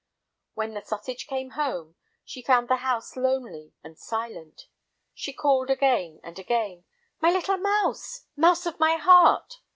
When the sausage came home, she found the house lonely and silent. She called again and again, "My little mouse! Mouse of my heart!"